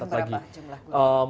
berlebatkan berapa jumlah guru